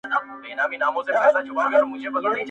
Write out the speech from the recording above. زور غواړي درد د دغه چا چي څوک په زړه وچيچي~